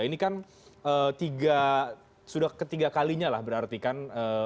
ini kan sudah ketiga kalinya lah berarti kan